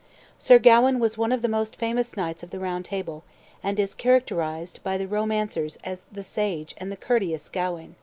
Sir Gawain was one of the most famous knights of the Round Table, and is characterized by the romancers as the SAGE and COURTEOUS Gawain.